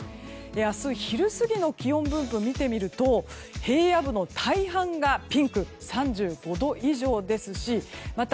明日、昼過ぎの気温分布を見てみると平野部の大半がピンク３５度以上ですしまた